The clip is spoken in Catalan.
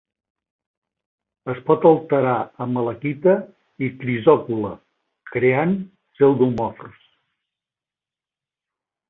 Es pot alterar a malaquita i crisocol·la, creant pseudomorfs.